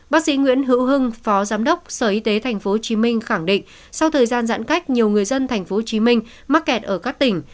bác sĩ nguyễn hữu hưng phó giám đốc sở y tế tp hcm khẳng định sau thời gian giãn cách nhiều người dân tp hcm mắc kẹt ở các tỉnh